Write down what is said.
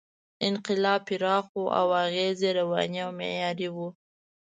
انقلاب پراخ و او اغېز یې رواني او معماري و.